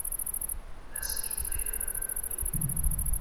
The message was later removed.